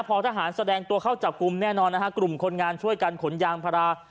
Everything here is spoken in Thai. พอทหารแสดงตัวเข้าจับกลุ่มแน่นอนนะฮะกลุ่มคนงานช่วยกันขนยางพารา